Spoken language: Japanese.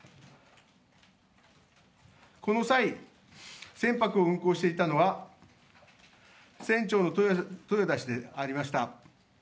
この際、船舶を運航していたのは船長の豊田氏でありました。